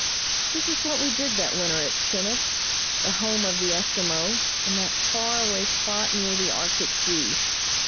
This is what we did that winter at Chinik, the home of the Eskimo, in that far away spot near the Arctic Sea.